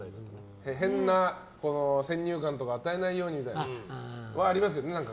変な先入観とか与えないようにありますよね。